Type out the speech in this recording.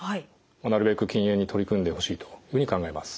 なるべく禁煙に取り組んでほしいというふうに考えます。